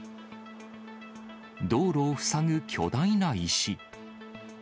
道路を塞ぐ巨大な石。